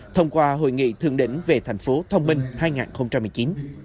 thông qua hội nghị thượng đỉnh về tp thông minh hai nghìn một mươi chín